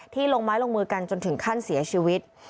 ลงไม้ลงมือกันจนถึงขั้นเสียชีวิต